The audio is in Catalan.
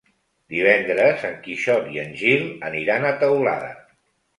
Divendres en Quixot i en Gil aniran a Teulada.